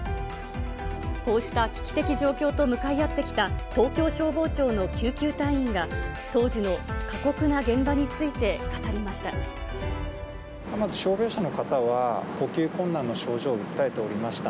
こうした危機的状況と向かい合ってきた東京消防庁の救急隊員が、当時の過酷な現場について語りました。